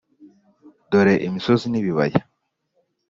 dore imisozi n’ibibaya